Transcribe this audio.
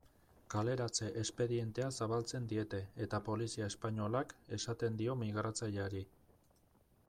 Kaleratze espedientea zabaltzen diete eta polizia espainolak esaten dio migratzaileari.